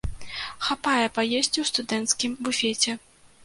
Хапае паесці ў студэнцкім буфеце.